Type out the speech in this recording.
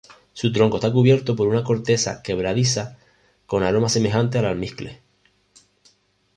Su tronco está cubierto por una corteza quebradiza con aroma semejante al almizcle.